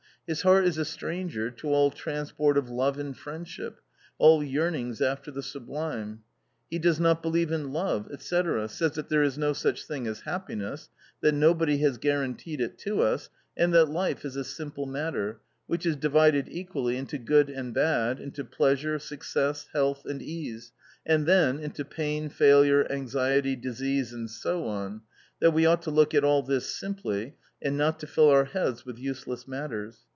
His heart is a stranger to all transport of love and friendship, all yearnings after the sublime. ... He does not believe in love, &c, says that there is no such thing as happiness, that nobody has guaranteed it to us, and that life is a simple matter, which is divided equally into good and bad, into pleasure, success, health and ease, and then into pain, failure, anxiety, disease and so on ; that we ought to look at all this simply, and not to fill our heads with use less matters.